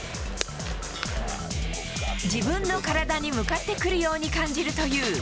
自分の体に向かってくるように感じるという。